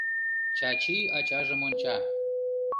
Чачи ачажым онча.